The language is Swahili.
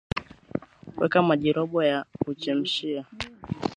weka maji robo ya kuchemshia